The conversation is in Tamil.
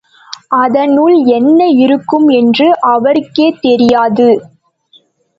அதனுள் என்ன இருக்கும் என்று அவருக்கே தெரியாது.